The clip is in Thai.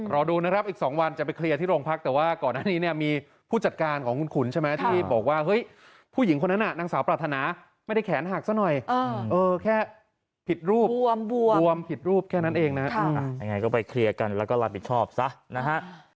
รอดูนะครับอีก๒วันจะไปเคลียร์ที่โรงพักแต่ว่าก่อนหน้านี้เนี่ยมีผู้จัดการของคุณขุนใช่ไหมที่บอกว่าเฮ้ยผู้หญิงคนนั้นน่ะนางสาวปรารถนาไม่ได้แขนหักซะหน่อยแค่ผิดรูปบวมผิดรูปแค่นั้นเองนะฮะยังไงก็ไปเคลียร์กันแล้วก็รับผิดชอบซะนะฮะ